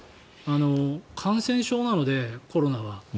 感染症なので、コロナは。